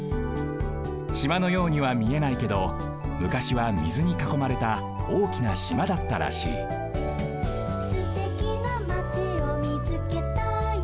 島のようにはみえないけどむかしはみずにかこまれたおおきな島だったらしい「すてきなまちをみつけたよ」